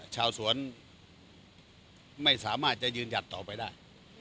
ชาวสวนไม่สามารถจะยืนหยัดต่อไปได้